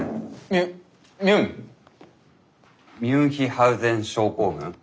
ミュミュン？ミュンヒハウゼン症候群。